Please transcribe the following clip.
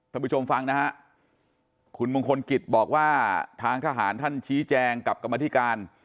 ผู้ชมฟังนะฮะคุณมงคลกิจบอกว่าทางทหารท่านชี้แจงกับกรรมธิการ